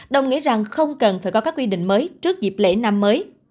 đồng nghĩa rằng không cần phải có các quy định mới trước dịp lễ năm mới